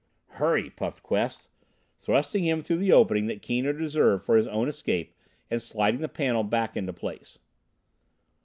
"Hurry!" puffed Quest, thrusting him through the opening that Keane had reserved for his own escape, and sliding the panel back into place.